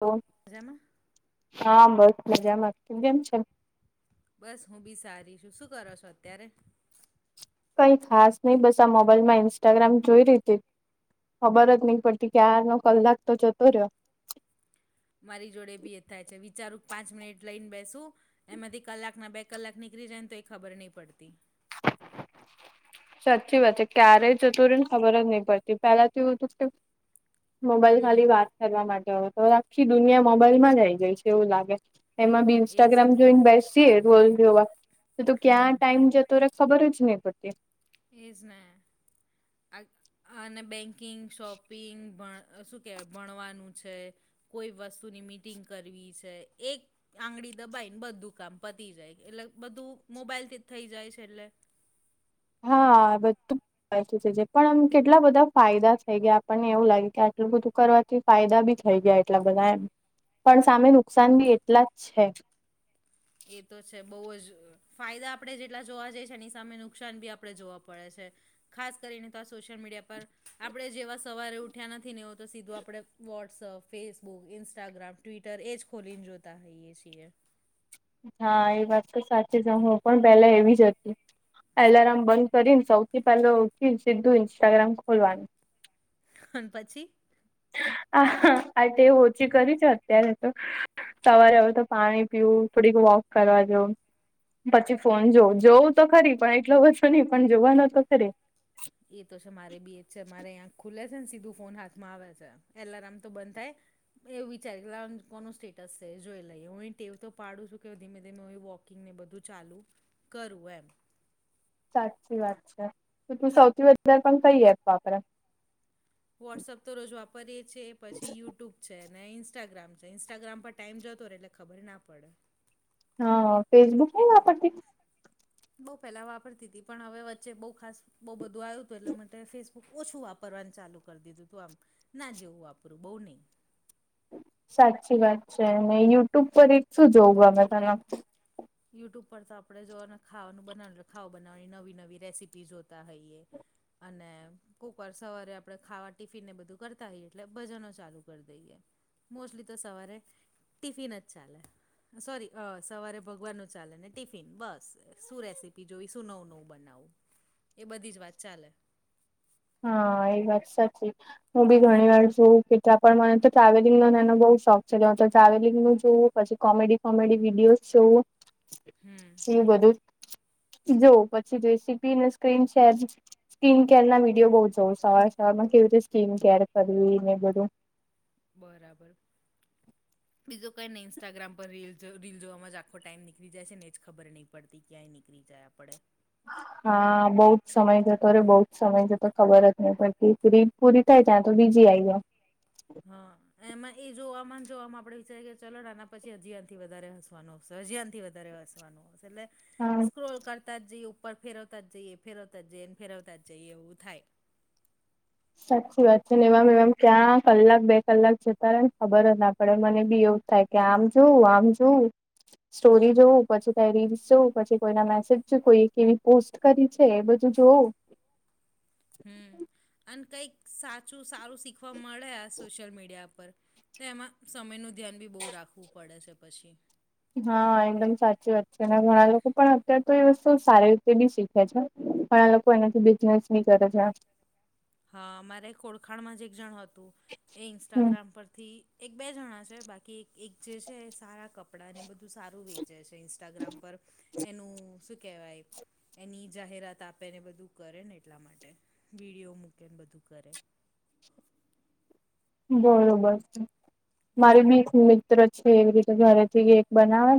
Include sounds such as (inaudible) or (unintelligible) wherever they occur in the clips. તો. જમ. હા બસ મજા માં તૂ કેમ છે. બસ હું બી સારી છું શું કરો છો અત્યારે. કઈ ખાસ નહિ બસ આ મોબાઈલ માં ઇન્સ્ટાગ્રામ જોઈ રીતી ખબર જ નહી પડતી ક્યાર નો કલાક તો જતો રહ્યો. મારી જોડે ભી એ થાય છે વિચારું પાંચ મિનિટ લઈને બેસું. એમાંથી કલાક ના બે કલાક નીકળી જાય ને તો એ ખબર નહી પડતી. સાચી વાત છે ક્યારેય જતું રીવ ખબર જ નહી પડતી પેલા તો એવું હતું કે મોબાઈલ ખાલી હમ વાત કરવા માટે હોય તો આખી દુનિયા મોબાઈલ માં જ આવી જાય છે એવું લાગે. એમાં બી એજ ઇન્સ્ટાગ્રામ ને જોઈને બેસસીએ રોલ જોવા તો તો ક્યાં હમ ટાઈમ જ ખબર જ નહિ પડતી. એ જ ને અ આ અને બેન્કિંગ શોપિંગ ભણ. શું કહેવાય ભણવાનું છે કોઈ વસ્તુની મિટિંગ કરવી છે એક. આંગળી દબાઈને બધું કામ પતી જાય એટલે બધું મોબાઈલ થી જ થઈ જાય છે એટલે. હા બધું વ પણ આમ કેટલા બધા ફાયદા થઈ ગયા આપણને એવું લાગે કે આટલું બધું કરવા થી ફાયદા બી થઈ ગયા એટલા બધા એમ પણ સામે નુકસાન બી એટલા જ છે. એ તો છે બહુ જ. ફાયદા આપડણે જેટલા જોવા જઈ છે એની સામે નુકસાન બી આપડણે જોવા પડે છે. ખાસ કરીને તો આ સોશિયલ મીડિયા પર આપણે જેવા સવારે ઉઠ્યા નથી ને એ તો સીધું આપડે. વોટ્સઅપ ફેસબુક ઇન્સ્ટાગ્રામ ટ્વિટર એ જ ખોલીને જોતા હોઈએ છીએ. હા એ વાત તો સાચી જ હું પણ પેલા એવી જ હતી. એલાર્મ બંધ કરીને સૌથી પેલો મુકી સીધું ઇન્સ્ટાગ્રામ ખોલવાનું. અન પછી. હ હા આ તે ઓછી કરી છે અત્યારે તો. સવારે હવે તો પાણી પીવું થોડીક વોક કરવા જઉ. પછી ફોન જોવું જોવું તો ખરી પણ એટલો બધો નહી પણ જોવાનો તો ખરી. એ તો છે મારે બી એજ છે મારે આખ ખુલે છે ને સીધું ફોન હાથમાં આવે છે. એટલે એલામૅ તો બંધ થાય. મે એવું વિચારી લાવ કોનું સ્ટેટસ છે જોઈ લઈએ હું એ ટેવ તો પાડું છું કે ધીમે ધીમે વોક કિંગને બધું ચાલુ કરુ એમ. સાચી વાત છે તો તું સૌથી વધારે પણ કઈ એપ વાપરે. વોટ્સએપ તો રોજ વાપરીએ છે પછી યુટ્યુબ. છે ને ઇન્સ્ટાગ્રામ છે ઇન્સ્ટાગ્રામ પર ટાઈમ જતો રહેે એટલે ખબર ના પડે. હા ફેસબુક નહી વાપરતી. બઉ પેલા વાપરતી હતી પણ હવે વચ્ચે બઉુ ખાસ બહુ બધું આવ્યું હતું એટલે માટે ફેસબ ઓછું વાપરવાનું ચાલુ કરી દીધું તું આમ ના જેવું વાપરું બહુ નહીં. સાચી વાત છે અને યુટ્યુબ પર એક શું જોવું ગમે તને. યુટ્યુબ પર તો આપણે જોને ખવાનું બનાવેલુ ખાવ બનાવવાની નવી નવી રેસીપી જોતા હોઈએ. અને કુક વાર સવારે આપણે ખાવા ટિફિનને બધું કરતા હોઈએ એટલે ભજનો ચાલુ કરી દઈએ. મોસ્ટલી તો સવારે ટિફિન જ ચાલે સોરી અ સવારે ભગવાન નુ ચાલે ને ટિફિન બસ શું રેસીપી જોઈ શું નવું નવું બનાવું એ બધી જ વાત ચાલે. હા એ વાત સાચી. હું બી ઘણી વાર છું કેટલા પણ મને તો ટ્રાવેલિંગ ને એનો બહું શોખ. કસે જાઉં તો ટ્રાવેલિંગ નું જોવું પછી કોમેડી કોમેડી વિડીયોસ જોવું. હમ એ બધું. જો પછી રેસીપીને સ્ક્રીન શેર સ્કિન કેરના વિડિ એવું બોવ જોવ સવાર સવારમાં કેવી રીતે સ્કીમ કેર કરવી ને એ બધું. બરાબર. (inaudible) બીજો કઈને ઇન્સ્ટાગ્રામ પર રીલ જો માં આખો ટાઈમ નીળ જાય છે ને જ ખબર નહીં. પડતી ક્યાંય નીકળી જાય આપડે. હા બહુત સમય જતો અ રે બહુ જ સમય જતો ખબર જ નહી પડતી રી પૂરી થાય જાય તો બીજી આઈ જાય. હા. એમાં એ જોવામાં જોવામાં આપણે વિચારીએ કે ચલો ને આના પછી અજી એનાથી વધારે હસવાનો આવશે હજી આનથી વધારે હસવાનું. છેલે. હા. રોલ કરતા જઈએ ઉપર ફેરતા જઈએ એ ફેરવતા જઈએ અને ફેરતા જઈએ એવું થાય. સાચી વાત છે ને એવામ એટલે એવામ ક્યાં કલાક બે કલાક જતા રહે ને ખબર જ ના પડે મને બી એવું થાય કે આમ જોઉ આમ જોઉું. સ્ટોરી જોવ પછી કાંઈ રીલ્સ જોઉ પછી કોઈના મેસેજ કોઈ એક એવી પોસ્ટ. કરી છે બધું જોવું. હમ્મ અને કઈક સાચું સારું શીખવા મળે આ સોશિયલ મીડિયા પર. તે એમાં સમયનું ધ્યાન બી બહુ રાખવું પડે છે પછી. હા એકદમ સાચી વાત છે અને ઘણા લોકો પણ અત્યારે તો એ વસ્તુ સારી રીતે બી શીખે છે. પણ આ લોકો એનાથી બિઝનેસ બી કરે છે. હા મારે ઓળખાણમાં જ એક જણ હતું એ હમ ઇન્સ્ટાગ્રામ પરથી એક બે જણા છે બાકી એક જે છે સારા કપડાં ને બધું સારું વેચે છે. ઇન્સ્ટાગ્રામ પર એનું શું કેહેવાય. એની જાહેરાત આપે ને બધું કરે ને એટલા માટે વિડીયો મૂકે ને બધું કરે. બરોબર છે મારી એટલે બી મિ મિત્ર છે એવી રીતે ઘરેથી કેક બનાવે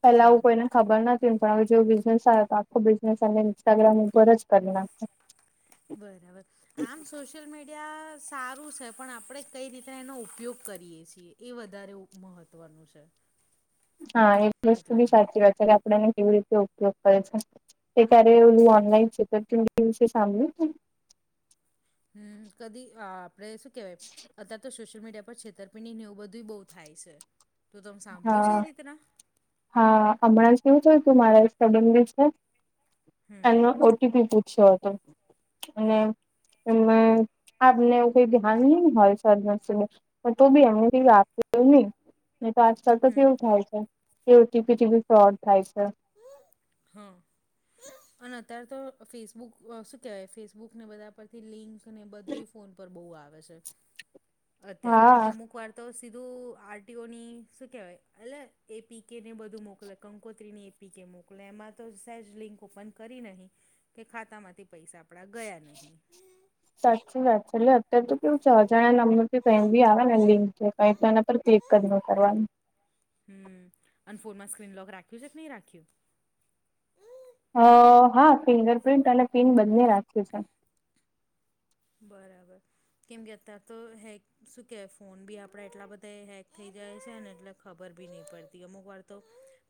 પેલા આવું હમ કોઈને. ખબર નથી ને પણ હવે જેવું બિઝનેસ આવે તો આખો બિઝનેસ એને ઇન્સ્ટાગ્રામ ઉપર જ કરી નાખિયું. બરાબર. આમ સોશિયલ મીડિયા સારું છે પણ આપણે કઈ રીતે એનો ઉપયોગ કરીએ છીએ. એ વધારે મહત્ત્વનું છે. હા એ વસ્તુ એટલે બી સાચી વાત છે કે આપ આપડે કેવી રીતે ઉપયોગ કરે છે તે ક્યારે ઓલું ઓનલાન છેતરપિંડી સાંભળ્યું છે. હમ કદી આપડે શું કેવાય. અત્યારે તો સોશિયલ મીડિયા પર છેતરપિડ ની નેવું બધું બહુ થાય છે તો તમે સાંભળ્યું હા છે એ રીતના. હા હમણાં જ કેવું થયું તુ મારા એક સબંધી છે. હમ એમનો ઓ. ટી. પી પૂછ્યો હતો. અને હમ એમાં આપને કોઈ ધ્યાન નહી હોય સદનસીબે. તો બી એમને કઈ આપેલું નહી. નહી તો આજકાલ તો હમ કેવું થાય છે એ ઓ ઓ. ટી. પી થી બી ફ્રોડ થાય છે. હા. અને અત્યારે તો ફેસબુક શું કેવાય ફેસબુક ને બધા પરથી લિંક ને બધુંય. ફોન પર બહુ આવે છે. (inaudible) અત્યારે અને હા અમુક વાર. તો સીધું આરટીઓ ની શું કહેવાય એટલે એપી કેને બધું મોકલે કંકોત્રીની. પી કે મોકલે એમાં તો સહેજ લિંક ઓપન કરી નહીં. કે ખાતા માંથી પૈસા આપડા ગયા નહી. સાચી વાત છે એટલે અત્યારે તો કેવું છ જણા નામનું ક બી આવે ને લિંક કઈ તો એના પર. કદ ન કરવાની. હમ અને ફોનમાં સ્ક્રીન લોક રાખ્યું છે કે નહી રાખ્યું. અ હા ફિંગર પ્રિન્ટ અને પીન બંને રાખ્યું છે. બરાબર. કેમ કે અત્યાર તો હેક શું કે ફોન બી આપડે એટલા બધા હેક થઈ જાય છે ને એટલે. ખબર બી નહીં પડતી અમુક વાર તો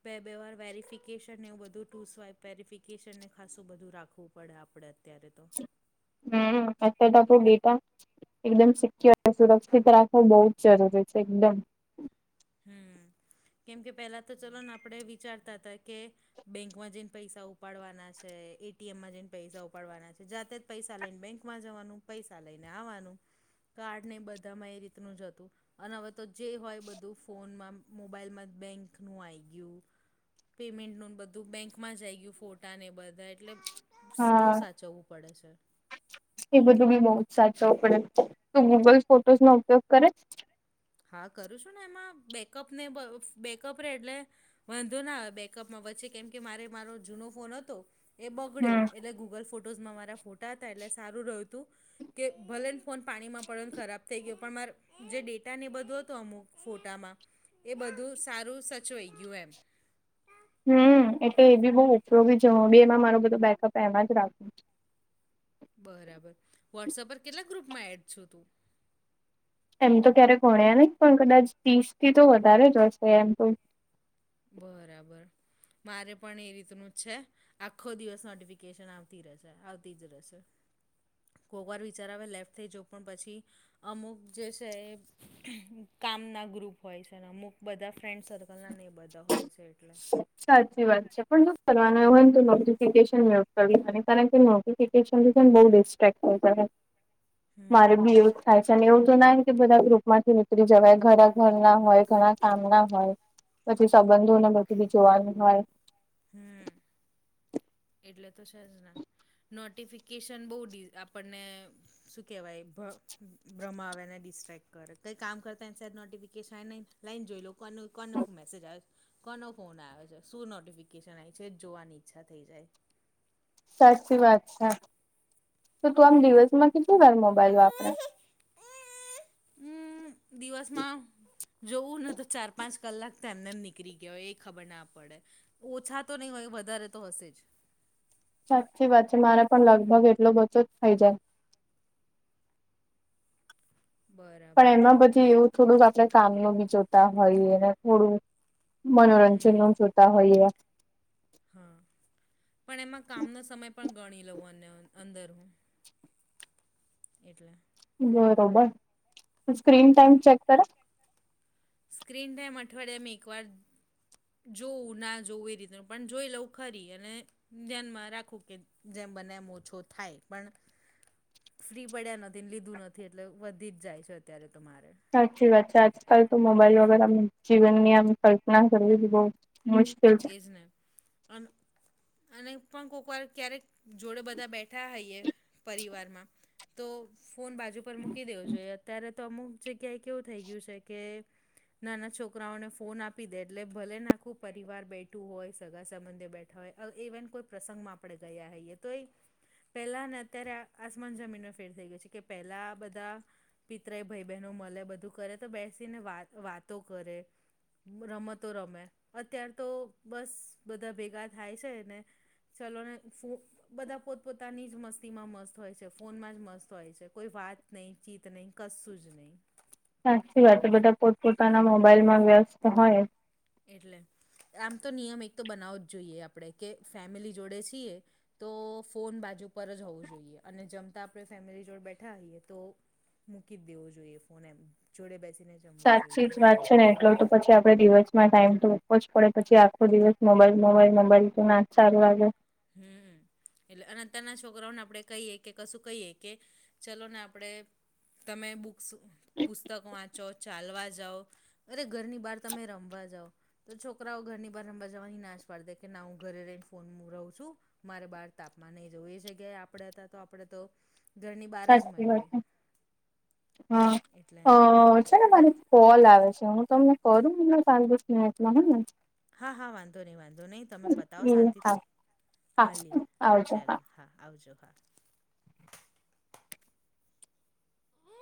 બે બે વાર વેરિફિકેશન એવું બધું ટુ સ્વાઈપ. વેરિફિકેશનને ખાસું બધું રાખવું પડે આપણે અત્યારે તો. હમ અત તપ ગીટ. એકદમ સિક્યોર સુરક્ષિત રાખવો બહુ જ જરૂરી છે એકદમ. હમ કેમ કે પેલા તો ચલો ને આપણે વિચારતા હતા કે બેંકમાં જઈને પૈસા ઉપાડવાના છે એટીએમમાં જઈને પૈસા ઉપાડવાના છે જાતે. પૈસા લઈને બેંકમાં જવાનું પૈસા લઈને આવવાનું. કાર્ડ નહી બધામાં એ રીતનું જ હતું અને હવે તો જે હોય બધું. ફોનમાં મોબાઈલમાં જ બેંકનું આવી ગયું. પેમેન્ટ નું બધું બેંક માં જઈ ગયું ફોટા ને બધા એટલે. બહુ હા સાચવવું પડે છે. એ બધું બી બહ જ સાચવ પડે તું ગૂગલ ફોટોસ નો ઉપયોગ કરે. હા કરું છું ને એમાં બેકઅપ ને બેકઅપ રે એટલે. વાંધો ના બેકઅપમાં વચ્ચે કેમ કે મારે મારો જૂનો ફોન હતો. એ બગડ્યો એટલે ગૂગલ ફોટોઝમાં મારા ફોટા હતા એટલે સારું રહ્યું હતું. કે ભલે ને ફોન પાણીમાં પડે ને ખરાબ થઈ ગયો પણ મારે જે ડે ત્યાંને એ બધો હતો અમુક ફોટામાં એ બધું સારું સચવેય યુ એમ. હમ એટલે એ બી બઉુ ઉપયોગી જ બેમાં મારો બધો બેકઅપ એમાં જ રાખવું છે. બરાબર વોટ્સઅપ પર કેટલા ગ્રુપમાં એડ છો તું. એમ તો ક્યારે ગણ્યા નહી પણ કદાચ ત્રીસ થી તો વધારે જ હશે એમ તો. બરાબર મારે પણ એ રીતનું જ છે. આખો દિવસ નોટિફિકેશન આવતી રહેશે આવતી જ રહેશે. કોઈક વાર વિચાર આવે લેફ્ટ થઈ જવ પણ પછી. અમુક જે છે એ કામ ના ગ્રુપ હોય છેને અમુક બધા ફ્રેન્ડ સર્કલ ના ને બધ. દ હોય છે એટલે. સાચી વાત છે પણ દુખ કરવાનું હોયને તો નો. િકન કાર કેફિકન થી બુ ડિસ્ટ્રક્ટ થ હમ મારે બી એ. કાયસ ને એવું તો ના કે બધા ગ્રુપમાંથી ઉનીતરી જવાય ઘરા ઘર ના હોય ઘણા કામ ના હોય. પછી સંબંધોને બધું બી જોવાનું હોય. હમ. એટલે તો છે જને નોટિફિકેશન બહ આપણને. શું કેવાય એ ભ્રમ આવેને ડિસ્ટ્રેક્ટ કરે કઈ કામ કરતા એ સા નોટિફિકેશન નહી. લાઈન જોઈ લો કોનું કોનો ફ મેસેજ આવયો. કોનો ફોન આવે્યો છે શું નોટિફિકેશન આવી છે જોવાની ઈચ્છા થઈ જાય. સાતચ વાત સા. તો તું આમ દિવસમાં કેટલી વાર મોબાઈલ વાપરા. હમ દિવસમાં. જોવું ને તો ચાર પાંચ કલાક તો એમને એમ નીકળી ગયા એ ખબર ના પડે. ઓછા તો નહીં હોય વધારે તો હશે જ. સાચી વાત છે. મારે પણ લગભગ એટલો બધો જ થઈ જાય. પણ બરાબર એમાં બધી એવું થોડુંક આપણે કામોબી જોતા હોઈએ. અને થોડુંક હમ મનોરંજનો જોતા હોઈએ. હ પણ એમાં કામનો સમય પણ ગણી લેવાનું અને અંદર એટલે. બરોબર પછી સ્ક્રીન ટાઈમ ચેક કરે. સ્ક્રીન ટાઈમ અઠવાડિયામાં એકવાર જોવું ના જોવું એ રીતે પણ જોઈ લવ ખરી અને ધ્યાનમાં રાખું કે જેમ બને એમ ઓછો થાય પણ ફ્રી પડ્યા નથી અને લીધું નથી એટલે વધી જ જાય છે અત્યારે તો મારે. સાચી વાત છે. આજકાલ તો મોબાઈલ વગર આમ જીવનની આમ કલ્પના કરવી બહું મુશ એજ ને અન અને પણ (unintelligible) ક્યારેક જોડે બધા બેઠા હોઈએ પરિવારમાં. તો ફોન બાજુ પર મૂકી દેવો જોઈએ. અત્યારે તો અમુક જગ્યાએ કેવું થઈ ગયું છે કે નાના છોકરાઓને ફોન આપી દેય એટલે ભલે આખું પ પરિવાર બેઠું હોય સગા સંબંધીઓ બેઠા હોય ઈવન કોઈ પ્રસંગમાં આપડે ગયા હોઈએ તોએ પેલા અને અત્યારે આસમાન જમીનનો ફેર થઈ ગયો છે કે પેલા બધા પિત્રય ભાઈ બહેનો મલે બધું કરે તો બેસીને વાત વાતો કરે. રમતો રમે અત્યારે તો બસ બધા ભેગા થાય છે ને ચલોને ફૂ બધા પોતપોતાની જ મસ્તીમાં મસ્ત હોય છે. ફોનમાં જ મસ્ત હોય છે. કોઈ વાત ચિંત નઈ કસું જ નઈ સાચી વાત છે. બધા પોતપોતાના મોબાઈલમાં વ્યસ્ત હોય. એટલે આમ તો નિયમ એક તો બનાવો જ જોઈએ આપડે કે ફેમિલી જોડે છીએ તો ફોન બાજુ પર જ હોવું જોઈએ. અને જમતા આપડે ફેમિલી જોડે બેઠા હોઈએ તો મૂકી જ દેવો જોઈએ ફોન એમ જોડે બેસીને જમવું સાચી જોઈએ. જ વાત છે ને. (unintelligible) પછી આપડે દિવસમાં ટાઈમ તો આપવો જ પડે પછી આખો દિવસ મોબાઈલ મોબાઈલ મોબાઈલ તો ના સારું લાગે. હમ. એટલે અને અત્યારના છોકરાઓને આપડે કહીએ કે કશું કહીએ કે ચલો ને આપડે તમે બુક પુસ્તકો વાંચો ચાલવા જાવ. અરે ઘરની બહાર ત મે રમવા જાઉં. તો છોકરાઓ ઘરની બહાર (unintelligible) ના હું ઘરે રહીને ફોનમાં. (unintelligible) છું મારે બાર તાપમાં નહીં જવું એ જગ્યાએ આપડે હતા તો આપડે તો ઘરની બહાર જ સાચી વાત મળીએ છે. હા એટલે અ છે મારે કોલ આવે છે. હું તમને કરું ને પાંચ દસ મિનિટમાં હ ને. હા હા વાંધો નઈ વાંધો નઈ તમે પતાવો ને એ શાંતિ હા થી હા મળીએ ચાલો. હા આવજો હા. (unintelligible)